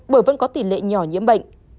bởi vẫn có tỷ lệ nhỏ nhiễm bệnh